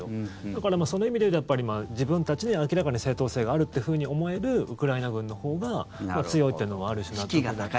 だから、その意味で言うとやっぱり自分たちに明らかに正当性があるというふうに思えるウクライナ軍のほうが強いっていうのはある種、納得。